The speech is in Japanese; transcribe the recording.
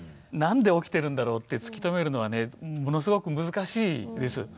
なんで起きてるんだろうって突き止めるのはねものすごく難しいです。